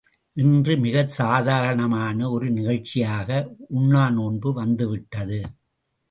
இன்று மிகச் சாதாரணமான ஒரு நிகழ்ச்சியாக உண்ணா நோன்பு வந்துவிட்டது.